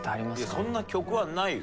そんな曲はないよ